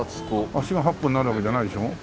足が８本になるわけじゃないでしょ？